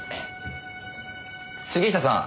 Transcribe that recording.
杉下さん。